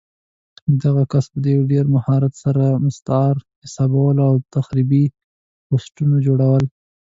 دغه کس به په ډېر مهارت سره مستعار حسابونه او تخریبي پوسټونه جوړول